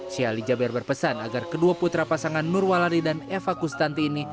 sheikh ali jaber berpesan agar kedua putra pasangan nurwalari dan eva kustanti ini